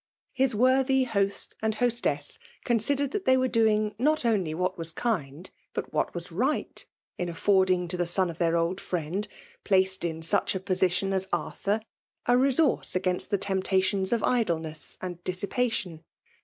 His worthy host and hostess consi dered that tiiey were doing not only what was kind, but what was right, in aifording to the son of their old friend, placed in such a posi tion as Arthur, a resource against the tempta tions of idleness and dissipation.